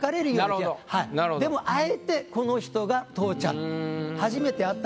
でもあえて「この人が父ちゃん」。